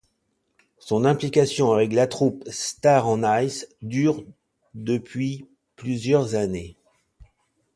Son implication avec la troupe Stars on Ice dure depuis plusieurs années.